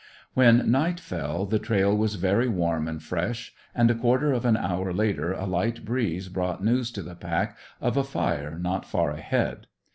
When night fell the trail was very warm and fresh, and a quarter of an hour later a light breeze brought news to the pack of a fire not far ahead.